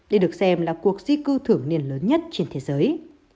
để được xem là cuộc di cư thưởng niên lớn nhất trên thế giới